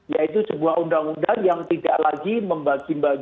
yaitu sebuah undang undang yang tidak lagi membagi bagi